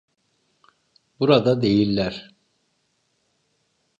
Burada değiller.